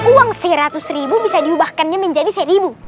uang seratus ribu bisa diubahkannya menjadi seribu